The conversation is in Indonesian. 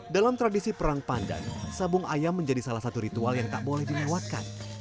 dalam tradisi perang pandan sabung ayam menjadi salah satu ritual yang tak boleh dilewatkan